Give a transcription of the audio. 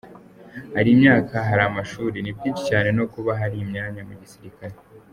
Hari imyaka, hari amashuri, ni byinshi cyane no kuba hari imyanya mu gisirikare.